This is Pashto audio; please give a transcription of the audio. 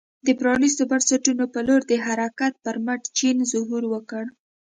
د پرانیستو بنسټونو په لور د حرکت پر مټ چین ظهور وکړ.